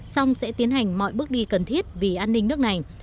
song sẽ tiến hành mọi bước đi cần thiết vì an ninh nước này